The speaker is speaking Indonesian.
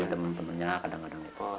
temen temennya kadang kadang gitu